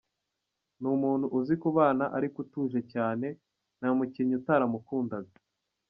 Ni umuntu uzi kubana ariko utuje cyane, nta mukinnyi utaramukundaga.